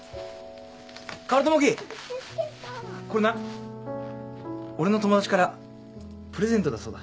薫友樹これな俺の友達からプレゼントだそうだ。